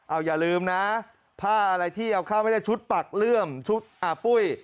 เอาอย่าลืมนะผ้าอะไรที่เอาข้าวไม่ได้ชุดปักเลื่อมชุดอ่าปุ้ย